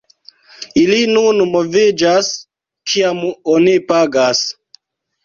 Ili nur moviĝas kiam oni pagas.